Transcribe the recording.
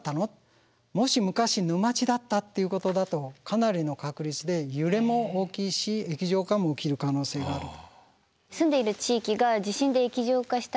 もし昔沼地だったっていうことだとかなりの確率で揺れも大きいし液状化も起きる可能性があると。